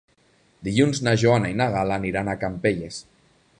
Dilluns na Joana i na Gal·la aniran a Campelles.